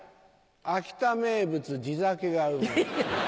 秋田名物地酒がうまい。